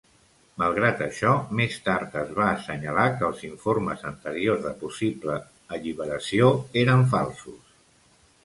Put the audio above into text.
Malgrat això, més tard es va assenyalar que els informes anterior de possible alliberació eren falsos.